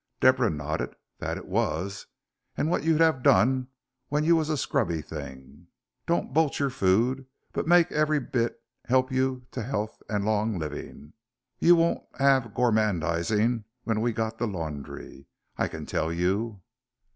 Deborah nodded. "That it was, and what you'd have done when you was a scrubby thing. Don't bolt your food, but make every bit 'elp you to 'ealth and long living. You won't 'ave gormandising when we've got the laundry, I can tell you."